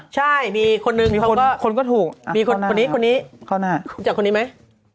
ใช่มีคนนึงมีคนก็ถูกมีคนนี้คนนี้รู้จักคนนี้ไหม